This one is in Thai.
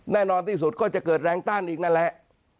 แน่นอนที่สุดก็จะเกิดแรงต้านอีกนั่นแหละ